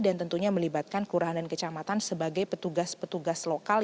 dan tentunya melibatkan kelurahan dan kecamatan sebagai petugas petugas lokal